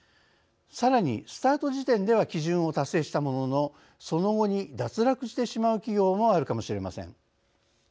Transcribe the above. さらにスタート時点では基準を達成したもののその後に脱落してしまう企業もあるかもしれません。